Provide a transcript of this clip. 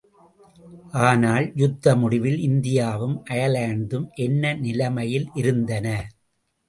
ஆனால் யுத்த முடிவில் இந்தியாவும் அயர்லாந்தும் என்ன நிலைமையில் இருந்தன?